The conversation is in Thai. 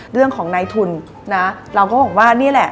เรื่องของนายทุนนะเราก็บอกว่านี่แหละ